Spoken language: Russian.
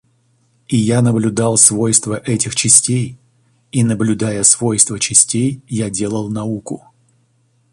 И я наблюдал свойства этих частей, и, наблюдая свойства частей, я делал науку.